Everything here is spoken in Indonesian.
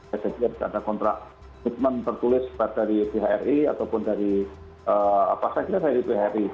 jadi kita bisa ada kontrak hukuman tertulis dari phri ataupun dari apa saya kira dari phri